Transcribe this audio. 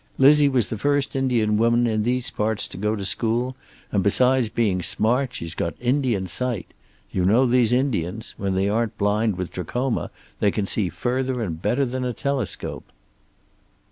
Lizzie was the first Indian woman in these parts to go to school, and besides being smart, she's got Indian sight. You know these Indians. When they aren't blind with trachoma they can see further and better than a telescope."